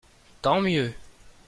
Tant mieux.